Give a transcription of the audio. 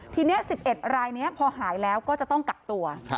ทีนี้๑๑รายนี้พอหายแล้วก็จะต้องกักตัว